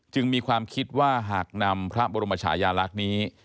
มีความคิดว่าหากนำพระบรมชายาลักษณ์นี้